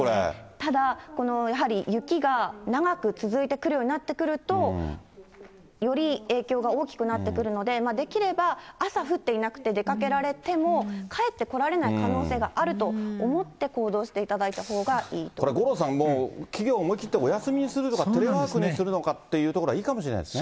ただ、やはり雪が長く続いてくるようになってくると、より影響が大きくなってくるので、できれば朝降ってなくて、出かけられても、帰ってこられない可能性があると思って行動していただいたほうが五郎さん、企業も思い切ってお休みにするとか、テレワークにするとかっていうのが、いいかもしれないですね。